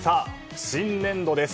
新年度です。